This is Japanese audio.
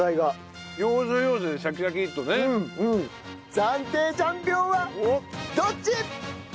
暫定チャンピオンはどっち！？